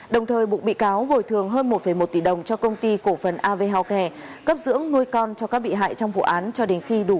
đồng thời bụng bị cáo bồi thường hơn một một tỷ đồng cho công ty cổ phần av healthcare cấp dưỡng nuôi con cho các bị hại trong vụ án cho đến khi đủ một mươi tám tuổi